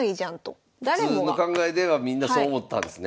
普通の考えではみんなそう思ったんですね。